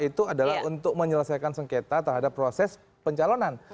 itu adalah untuk menyelesaikan sengketa terhadap proses pencalonan